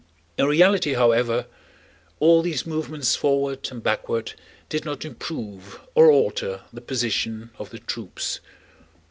In reality, however, all these movements forward and backward did not improve or alter the position of the troops.